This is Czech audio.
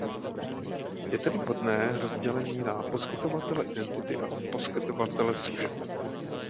Je tedy vhodné rozdělení na poskytovatele identity a poskytovatele služeb.